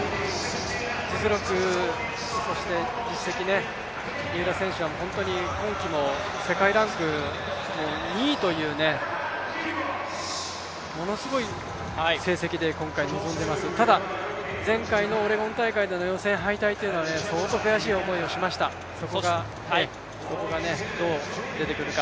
実力、実績、三浦選手は今季も世界ランク２位というものすごい成績で今回、臨んでます、ただ前回のオレゴン大会での予選敗退という相当悔しい思いをしました、そこがどう出てくるか。